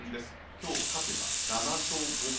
今日勝てば７勝５敗。